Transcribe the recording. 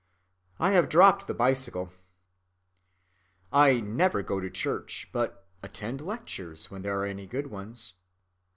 I have dropped the bicycle. I never go to church, but attend lectures when there are any good ones.